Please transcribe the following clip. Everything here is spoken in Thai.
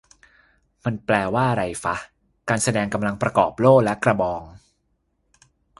มันแปลว่าอะไรฟะ "การแสดงกำลังประกอบโล่และกระบอง"